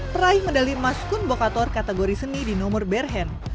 peraih medali emas kun bokator kategori seni di nomor berhend